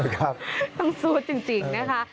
ต้องซูดจริงนะคะ